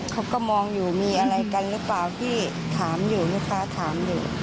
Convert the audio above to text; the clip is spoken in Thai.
เขาก็มองอยู่มีอะไรกันหรือเปล่าที่ถามอยู่ลูกค้าถามอยู่